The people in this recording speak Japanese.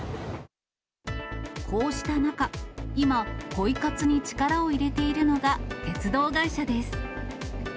こうした中、今、ポイ活に力を入れているのが鉄道会社です。